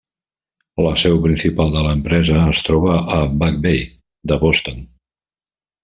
La seu principal de l'empresa es troba a Back Bay de Boston.